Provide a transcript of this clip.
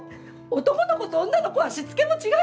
男の子と女の子はしつけも違いますよ。